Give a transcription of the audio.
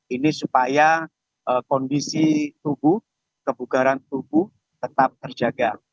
ini supaya kondisi tubuh kebugaran tubuh tetap terjaga